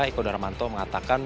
eko darmanto mengatakan